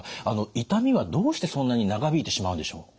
痛みはどうしてそんなに長引いてしまうんでしょう？